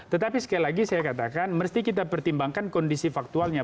tetapi sekali lagi saya katakan mesti kita pertimbangkan kondisi faktualnya